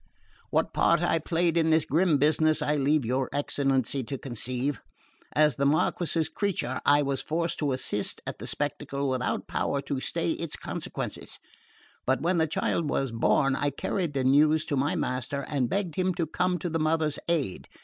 "What part I played in this grim business I leave your excellency to conceive. As the Marquess's creature I was forced to assist at the spectacle without power to stay its consequences; but when the child was born I carried the news to my master and begged him to come to the mother's aid.